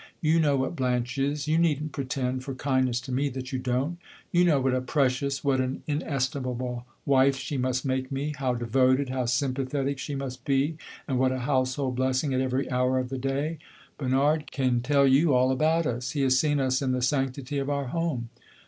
You know what Blanche is you need n't pretend, for kindness to me, that you don't. You know what a precious, what an inestimable wife she must make me how devoted, how sympathetic she must be, and what a household blessing at every hour of the day. Bernard can tell you all about us he has seen us in the sanctity of our home."